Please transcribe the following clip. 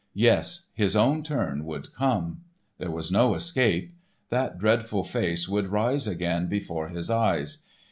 Yes his own turn would come. There was no escape. That dreadful face would rise again before his eyes.